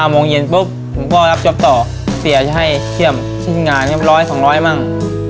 ๕โมงเย็นปุ๊บผมก็รับจบต่อเสียให้เชี่ยมที่งานกับร้อยสองร้อยมั่ง